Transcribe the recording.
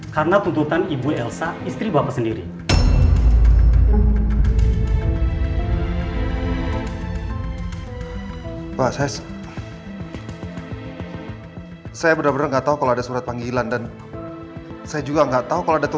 karena tuntutan ibu elsa istri bapak sendiri